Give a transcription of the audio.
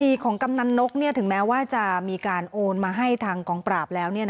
คดีของกำนันนกถึงแม้ว่าจะมีการโอนมาให้ทางกองปราบแล้ว